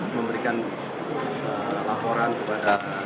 memberikan laporan kepada